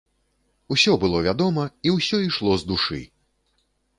Усё было вядома і ўсё ішло з душы!